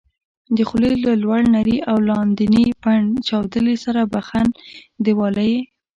د خولې له لوړ نري او لاندني پنډ چاودلي سره بخن دېواله یې